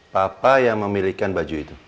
papa yang memiliki baju itu